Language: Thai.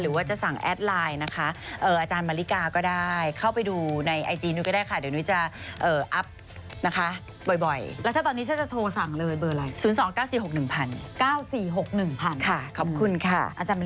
หรือว่าจะสั่งแอดไลน์นะคะ